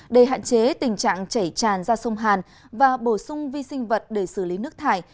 để hạn chế tình trạng chảy tràn ra sông hàn và bổ sung vi sinh vật để xử lý nước thải